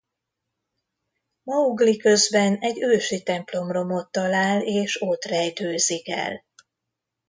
Maugli közben egy ősi templomromot talál és ott rejtőzik el.